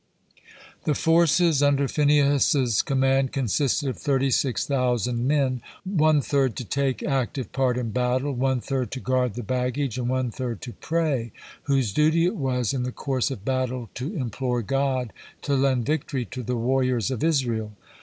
The forces under Phinehas's command consisted of thirty six thousand men, one third to take active part in battle, one third to guard the baggage, and one third to pray, whose duty it was in the course of battle to implore God to lend victory to the warriors of Israel.